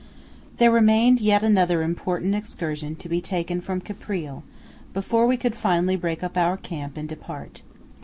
THERE remained yet another important excursion to be taken from Caprile, before we could finally break up our camp and depart.